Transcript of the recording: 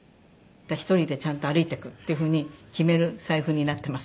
１人でちゃんと歩いていく」っていう風に決める財布になってます